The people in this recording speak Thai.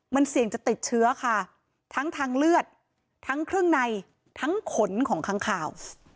มันเสี่ยงจะติดเชื้อค่ะทั้งทางเลือดทั้งเครื่องในทั้งขนของค้างข่าว